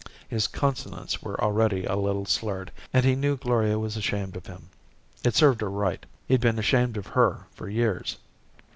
His consonants were already a little slurred and he knew Gloria was ashamed of him. It served her right. He'd been ashamed of her for years.